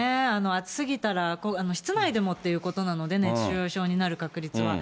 暑すぎたら、室内でもっていうことなので、熱中症になる確率は。